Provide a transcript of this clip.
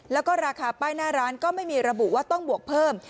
แล้วก็ราคาป้ายหน้าร้านก็ไม่มีระบุว่าต้องบวกเพิ่ม